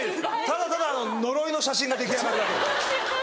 ただただ呪いの写真が出来上がるだけ。